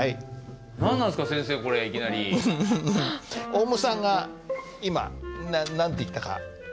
オウムさんが今何て言ったか。